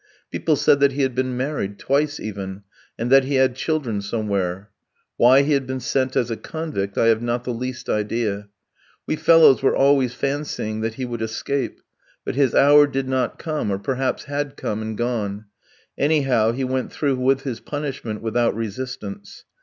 People said that he had been married, twice even, and that he had children somewhere. Why he had been sent as a convict, I have not the least idea. We fellows were always fancying that he would escape; but his hour did not come, or perhaps had come and gone; anyhow, he went through with his punishment without resistance.